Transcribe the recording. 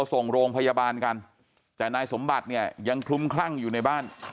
ส่งโรงพยาบาลกันแต่นายสมบัติเนี่ยยังคลุมคลั่งอยู่ในบ้าน